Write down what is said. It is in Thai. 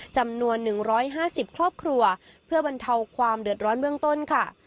จำนวน๑๕๐ครอบครัวเพื่อบรรเทาความเดือดร้อนเบื้องต้นค่ะ